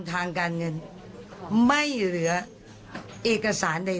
ทางการเงินไม่เหลือเอกสารใด